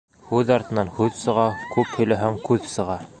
Һүҙ артынан һүҙ сыға, күп һөйләһәң, күҙ сыға.